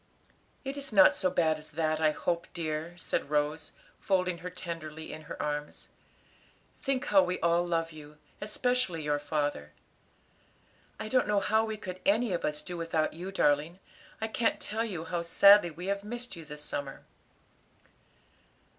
'" "It is not so bad as that, I hope, dear," said Rose, folding her tenderly in her arms; "think how we all love you, especially your father. I don't know how we could any of us do without you, darling. I can't tell you how sadly we have missed you this summer."